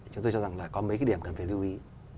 chúng tôi cho rằng là có mấy cái điểm cần phải lưu ý